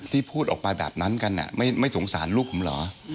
พูดออกไปแบบนั้นกันไม่สงสารลูกผมเหรอ